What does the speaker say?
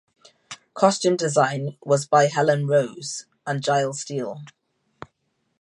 Costume design was by Helen Rose and Gile Steele.